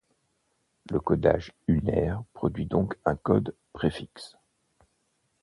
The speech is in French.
Le codage unaire produit donc un code préfixe.